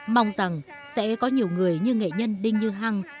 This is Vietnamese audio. mong rằng sẽ có nhiều người như nghệ nhân đinh như hang